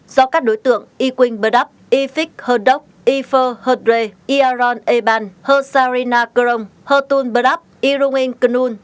do các đối tượng ewing burdap efik herdok efer herdre iaron eban hursarina karong hurtun burdap irungin knul